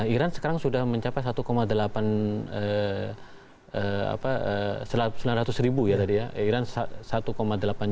iran sekarang sudah mencapai satu delapan juta dolar